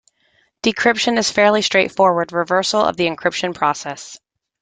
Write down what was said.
Decryption is a fairly straightforward reversal of the encryption process.